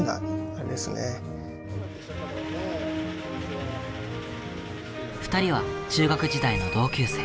中でも２人は中学時代の同級生。